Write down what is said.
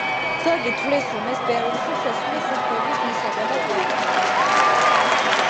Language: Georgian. ზოგი თვლის, რომ ეს ბერლინში შესვლის უფლების მისაღებად გაკეთდა.